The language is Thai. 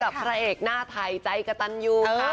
พระเอกหน้าไทยใจกระตันยู